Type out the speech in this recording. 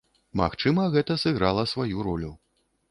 Магчыма, гэта сыграла сваю ролю.